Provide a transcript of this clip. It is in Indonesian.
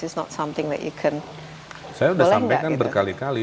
saya udah sampe kan berkali kali